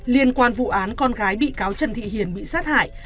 liên quan vụ án con gái bị cáo trần thị hiền bị sát hại